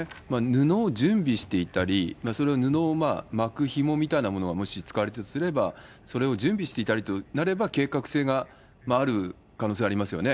布を準備していたり、それを布を巻くひもみたいなものをもし使われているとすれば、それを準備していたりとなれば計画性がある可能性ありますよね。